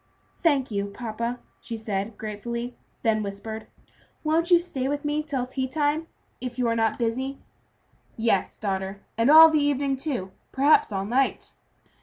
"Thank you, papa," she said, gratefully, then whispered, "Won't you stay with me till tea time, if you are not busy?" "Yes, daughter, and all the evening, too; perhaps all night."